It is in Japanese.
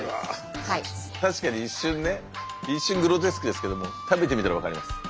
確かに一瞬ね一瞬グロテスクですけども食べてみたら分かります。